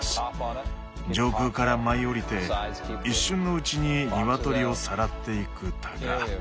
上空から舞い降りて一瞬のうちにニワトリをさらっていくタカ。